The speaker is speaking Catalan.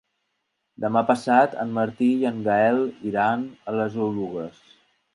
Demà passat en Martí i en Gaël iran a les Oluges.